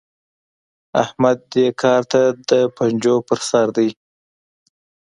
احمد دې کار ته د پنجو پر سر دی.